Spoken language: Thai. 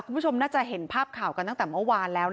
คุณผู้ชมน่าจะเห็นภาพข่าวกันตั้งแต่เมื่อวานแล้ว